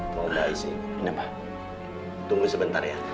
tunggu sebentar ya